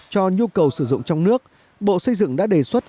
cho nhu cầu sử dụng trong nước bộ xây dựng đã đề xuất